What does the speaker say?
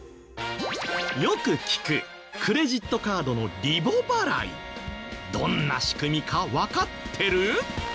よく聞くクレジットカードのリボ払いどんな仕組みかわかってる？